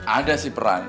ada sih peran